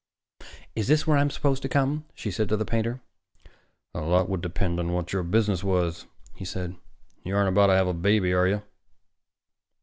"Is this where I'm supposed to come?" she said to the painter. "A lot would depend on what your business was," he said. "You aren't about to have a baby, are you?"